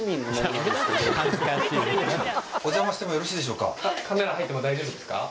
お邪魔してもよろしいでしょうか